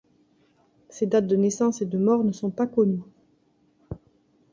Ses dates de naissance et de mort ne sont pas connues.